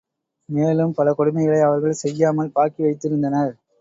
மேலும் பல கொடுமைகளை அவர்கள் செய்யாமல் பாக்கி வைத்திருந்தனர்.